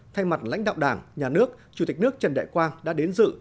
thay mặt lãnh đạo đảng nhà nước chủ tịch nước trần đại quang đã đến dự